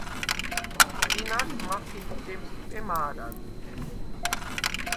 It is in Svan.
ძინარს მაჴიდ ი ჟემსიპე მა̄რად.